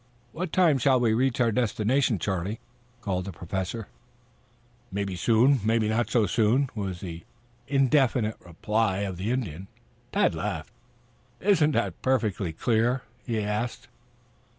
"What time shall we reach our destination, Charlie?" called the Professor. "Mebby soon, mebby not so soon," was the indefinite reply of the Indian. Tad laughed. "Is that perfectly clear?" he asked.